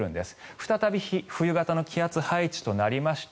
再び冬型の気圧配置となりまして